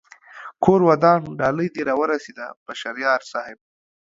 کور ودان ډالۍ دې را و رسېده بشر یار صاحب